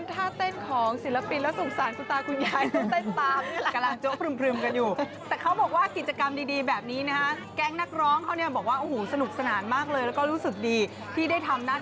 แต่เห็นนี่แหละท่าเต้นของศิลปินแล้วสนุกสารคุณตาคุณยาย